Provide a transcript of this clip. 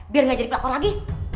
biar gak jadi pelakor lagi